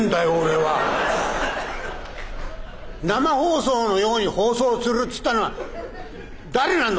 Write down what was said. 「生放送のように放送する」つったのは誰なんだ？